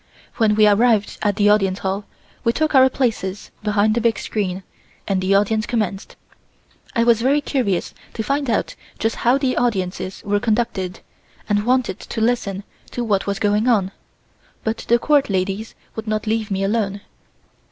When we arrived at the Audience Hall, we took our places behind the big screen and the audience commenced. I was very curious to find out just how the audiences were conducted and wanted to listen to what was going on, but the Court ladies would not leave me alone.